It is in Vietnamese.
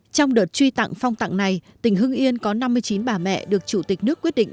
trong đợt truy tặng phong tặng này tỉnh hưng yên có năm mươi chín bà mẹ được chủ tịch nước quyết định